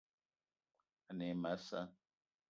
Ane e ma a sa'a